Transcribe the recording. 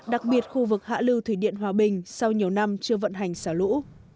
đặc biệt khu vực hạ lưu thủy điện hòa bình sau nhiều năm chưa vận hành xả lũ